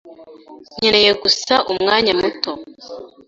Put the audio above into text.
Nkeneye gusa umwanya muto.